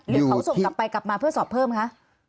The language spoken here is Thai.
หรือเขาส่งกลับไปกลับมาเพื่อสอบเพิ่มคะ